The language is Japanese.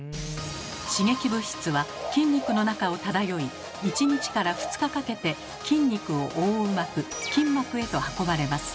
刺激物質は筋肉の中を漂い１日から２日かけて筋肉を覆う膜筋膜へと運ばれます。